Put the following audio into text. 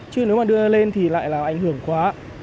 chứ nếu mà đưa lên thì lại là ảnh hưởng quá